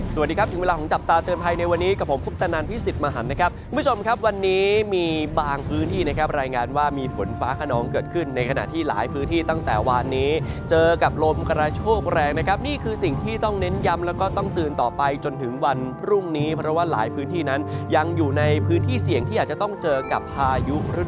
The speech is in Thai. สวัสดีครับจึงเวลาของจับตาเตือนภัยในวันนี้กับผมพุทธนานพิสิทธิ์มาหันนะครับคุณผู้ชมครับวันนี้มีบางพื้นที่นะครับรายงานว่ามีฝนฟ้าขนองเกิดขึ้นในขณะที่หลายพื้นที่ตั้งแต่วานนี้เจอกับลมกระโชคแรงนะครับนี่คือสิ่งที่ต้องเน้นยำแล้วก็ต้องตื่นต่อไปจนถึงวันพรุ่งนี้เพราะว่าหลายพ